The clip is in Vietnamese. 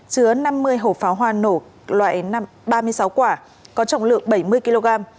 chứa năm mươi hộp pháo hoa nổ loại ba mươi sáu quả có trọng lượng bảy mươi kg